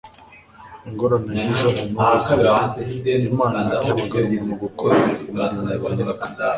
Ingorane nk’izo na n’ubu ziriho. Imana ihamagara umuntu gukora umurimo runaka;